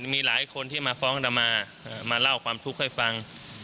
มีหลายคนที่มาฟ้องดามามาเล่าความทุกข์ให้ฟัง